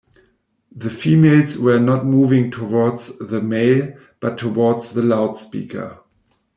The females were not moving towards the male but towards the loudspeaker.